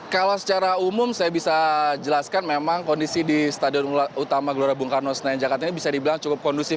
kalau secara umum saya bisa jelaskan memang kondisi di stadion utama gelora bung karno senayan jakarta ini bisa dibilang cukup kondusif